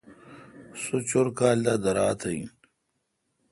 سو چور کال دا دیراتھ این۔